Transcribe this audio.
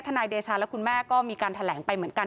นายเดชาและคุณแม่ก็มีการแถลงไปเหมือนกัน